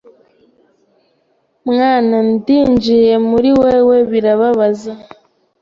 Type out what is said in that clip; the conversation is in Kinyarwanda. Mwana, ndinjiye muri wewe, birababaza